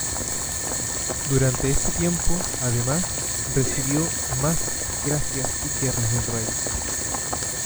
Durante este tiempo, además, recibió, más gracias y tierras del rey.